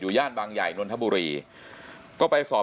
อยู่ย่านบังใหญ่นทบุรี